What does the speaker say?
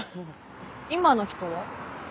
今の人は？え？